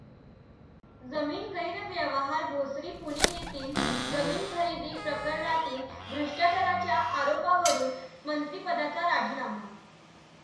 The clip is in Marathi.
जमीन गैरव्यवहार भोसरी पुणे येथील जमीन खरेदी प्रकरणातील भ्रष्टाचाराच्या आरोपावरून मंत्रिपदाचा राजीनामा.